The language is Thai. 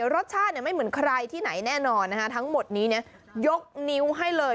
รสชาติไม่เหมือนใครที่ไหนแน่นอนนะคะทั้งหมดนี้ยกนิ้วให้เลย